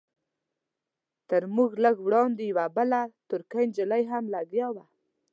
تر موږ لږ وړاندې یوه بله ترکۍ نجلۍ هم لګیا وه.